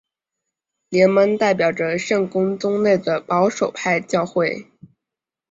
联盟代表着圣公宗内的保守派教会。